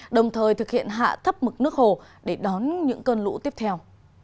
đồng thời thực hiện hạ thấp mực nước hồ để đón những cơn lũ tiếp theo